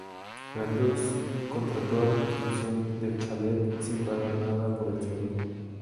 Granados contrató la construcción del chalet sin pagar nada por el suelo.